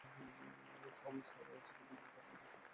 থাম্ব|স্যার ওয়াসিফ আলী তার ঘোড়া, শুক্র, পোলো খেললে